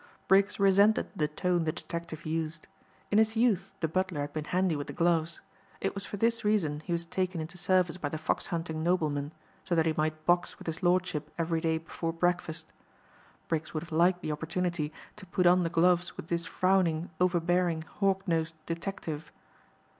Briggs resented the tone the detective used. In his youth the butler had been handy with the gloves. It was for this reason he was taken into service by the fox hunting nobleman so that he might box with his lordship every day before breakfast. Briggs would have liked the opportunity to put on the gloves with this frowning, overbearing, hawknosed detective.